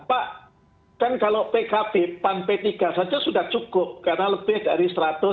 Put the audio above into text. pak kan kalau pkb pan p tiga saja sudah cukup karena lebih dari satu ratus lima belas